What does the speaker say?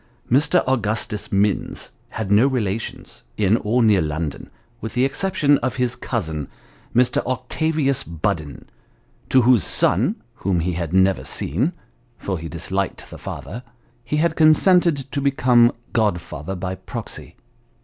Mr. Augustus Minns had no relations, in or near London, with the exception of his cousin, Mr. Octavius Budden, to whose son, whom he had never seen (for he disliked the father) he had consented to become godfather by proxy.